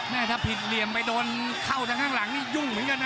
ถ้าผิดเหลี่ยมไปโดนเข้าทางข้างหลังนี่ยุ่งเหมือนกันนะ